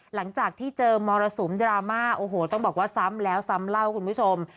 หลังจากที่เจอมรสุมดราม่าโอ้โหต้องบอกว่าซ้ำแล้วซ้ำเล่าคุณผู้ชม